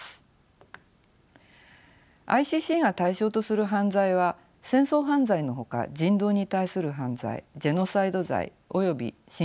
ＩＣＣが対象とする犯罪は戦争犯罪のほか人道に対する犯罪ジェノサイド罪および侵略犯罪です。